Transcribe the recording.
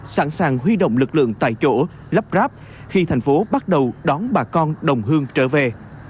sẵn sàng huy động lực lượng tại chỗ lắp ráp khi thành phố bắt đầu đón bà con đồng hương trở về